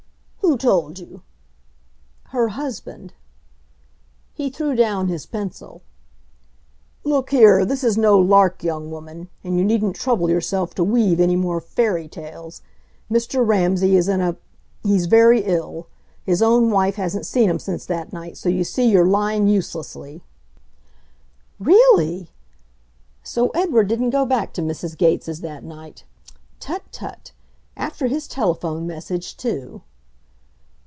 "Who told you?" "Her husband." He threw down his pencil. "Look here, this is no lark, young woman, and you needn't trouble yourself to weave any more fairy tales. Mr. Ramsay is in a he's very ill. His own wife hasn't seen him since that night, so you see you're lying uselessly." "Really!" So Edward didn't go back to Mrs. Gates' that night. Tut! tut! After his telephone message, too!